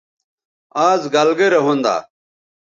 آز گَلگرے ھوندا